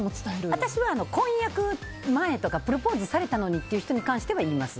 私は婚約前とかプロポーズされたのにという人に関しては言います。